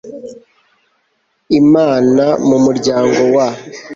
imana mu muryango wa